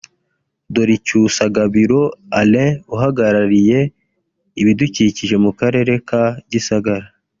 Doricyusa Gabiro Alain uhagarariye ibidukikije mu Karere ka Gisagara